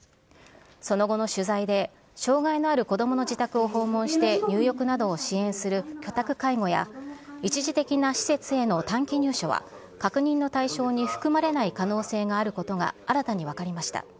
その後の取材で、障害のある子どもの自宅を訪問して入浴などを支援する居宅介護や、一時的な施設への短期入所は、確認の対象に含まれない可能性があることが新たに分かりました。